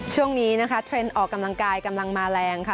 ช่วงนี้นะคะเทรนด์ออกกำลังกายกำลังมาแรงค่ะ